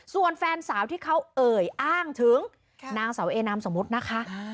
ส่วนแฟนสาวที่เขาเอ่ยอ้างถึงนางสาวเอนามสมมุตินะคะ